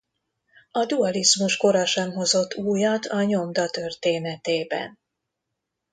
A dualizmus kora sem hozott újat a nyomda történetében.